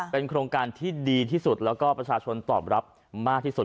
เป็นโครงการที่ดีที่สุดแล้วก็ประชาชนตอบรับมากที่สุด